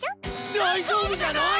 大丈夫じゃない！